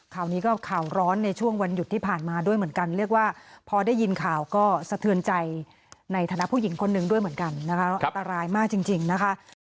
ข่าวนี้ก็ข่าวร้อนในช่วงวันหยุดที่ผ่านมาด้วยเหมือนกันเรียกว่าพอได้ยินข่าวก็สะเทือนใจในฐานะผู้หญิงคนหนึ่งด้วยเหมือนกันนะคะอันตรายมากจริงนะคะ